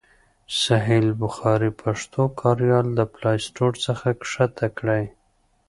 صحیح البخاري پښتو کاریال د پلای سټور څخه کښته کړئ.